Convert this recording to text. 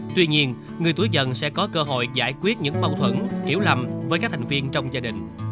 tuy nhiên người tuổi dần sẽ có cơ hội giải quyết những mâu thuẫn hiểu lầm với các thành viên trong gia đình